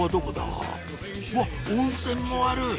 わっ温泉もある！